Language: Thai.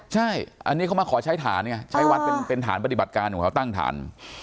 ใช่อันนี้เขามาขอใช้ฐานไงใช้วัดเป็นฐานปฏิบัติการของเขาตั้งฐาน